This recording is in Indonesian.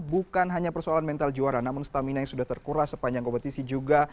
bukan hanya persoalan mental juara namun stamina yang sudah terkuras sepanjang kompetisi juga